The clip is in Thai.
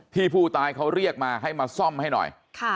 ผู้ตายเขาเรียกมาให้มาซ่อมให้หน่อย